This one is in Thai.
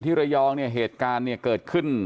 ระยองเนี่ยเหตุการณ์เนี่ยเกิดขึ้น